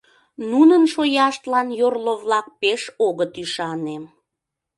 Нунын шояштлан йорло-влак пеш огыт ӱшане.